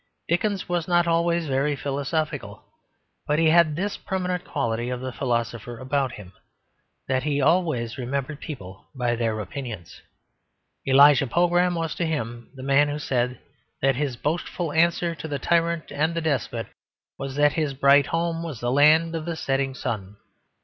Dickens was not always very philosophical; but he had this permanent quality of the philosopher about him, that he always remembered people by their opinions. Elijah Pogram was to him the man who said that "his boastful answer to the tyrant and the despot was that his bright home was the land of the settin' sun."